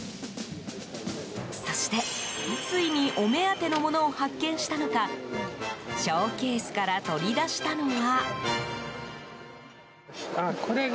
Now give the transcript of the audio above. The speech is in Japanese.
そして、ついにお目当てのものを発見したのかショーケースから取り出したのは。